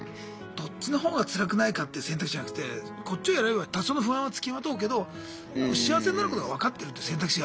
どっちのほうがつらくないかって選択肢じゃなくてこっちを選べば多少の不安は付きまとうけど幸せになることが分かってるって選択肢が。